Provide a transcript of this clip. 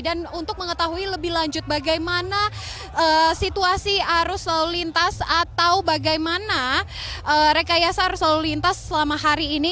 dan untuk mengetahui lebih lanjut bagaimana situasi arus lalu lintas atau bagaimana rekayasa arus lalu lintas selama hari ini